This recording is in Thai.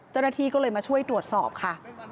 เจ้าหน้าที่ก็เลยมาช่วยตรวจสอบค่ะ